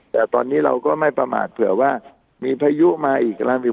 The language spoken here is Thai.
แต่ตอนนี้เราก็ไม่ประมาทเผื่อว่ามีพายุมาอีกกำลังมี